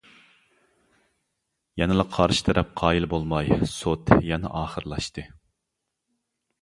يەنىلا قارشى تەرەپ قايىل بولماي سوت يەنە ئاخىرلاشتى.